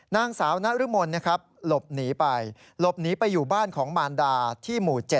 นางสาวนรมนนะครับหลบหนีไปหลบหนีไปอยู่บ้านของมารดาที่หมู่๗